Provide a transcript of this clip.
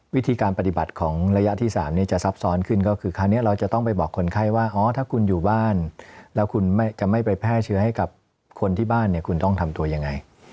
วิธีการปฏิบัติของระยะที่๓นี้จะซับซ้อนขึ้นก็คือคราวนี้เราจะต้องไปบอกคนไข้ว่าอ๋อถ้าคุณอยู่บ้านแล้วคุณจะไม่ไปแพร่เชื้อให้กับคนที่บ้านเนี่ยคุณต้องทำตัวยังไง